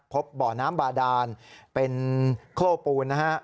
พบบ่อน้ำบาดาลเป็นโค้ลปูน